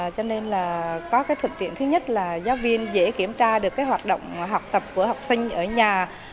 cho nên có thuận tiện thứ nhất là giáo viên dễ kiểm tra được hoạt động học tập của học sinh ở nhà